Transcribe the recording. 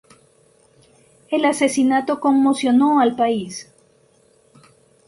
El asesinato conmocionó al país.